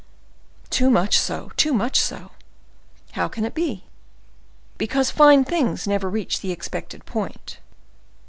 "Too much so—too much so." "How can that be?" "Because fine things never reach the expected point."